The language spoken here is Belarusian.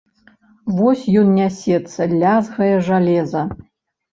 Вось ён нясецца, лязгае жалеза.